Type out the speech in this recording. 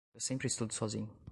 Eu sempre estudo sozinho.